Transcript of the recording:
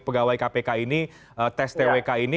pegawai kpk ini tes twk ini